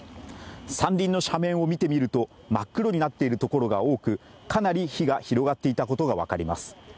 山林の斜面を見てみると、真っ黒になっているところが多くかなり火が広がっていたことが分かります。